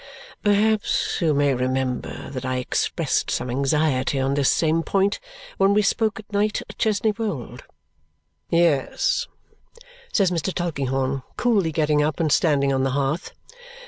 "Perhaps you may remember that I expressed some anxiety on this same point when we spoke at night at Chesney Wold?" "Yes," says Mr. Tulkinghorn, coolly getting up and standing on the hearth.